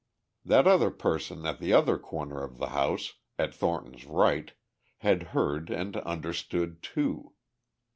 That other person at the other corner of the house, at Thornton's right, had heard and understood, too.